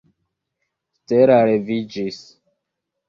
Stella leviĝis.